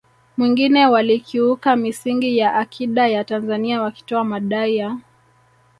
mwingine walikiuka misingi ya akida ya Tanzania wakitoa madai ya